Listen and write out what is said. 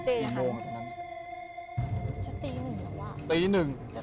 จะตีหนึ่งละวะ